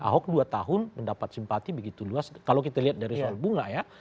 ahok dua tahun mendapat simpati begitu luas kalau kita lihat dari soal bunga ya